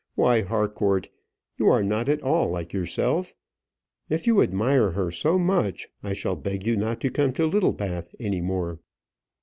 Why, Harcourt, you are not at all like yourself. If you admire her so much, I shall beg you not to come to Littlebath any more."